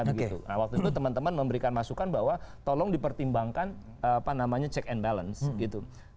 nah waktu itu teman teman memberikan masukan bahwa tolong dipertimbangkan check and balance